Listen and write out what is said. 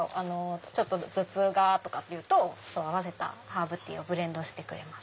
頭痛がって言うとハーブティーをブレンドしてくれます。